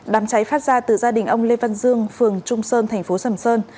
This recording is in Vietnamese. đám cháy phát ra từ gia đình ông lê văn dương phường trung sơn tp sầm sơn